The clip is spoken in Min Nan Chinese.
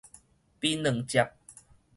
檳榔汁